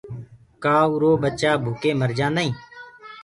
ڪآ ارو ٻچآ ڀوڪي مرجآندآ